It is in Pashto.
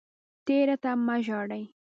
تیر ته مه ژاړئ